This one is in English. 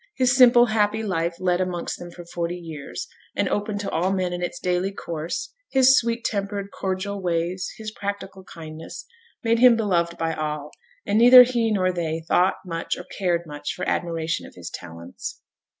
His simple, happy life led amongst them for forty years, and open to all men in its daily course; his sweet tempered, cordial ways; his practical kindness, made him beloved by all; and neither he nor they thought much or cared much for admiration of his talents.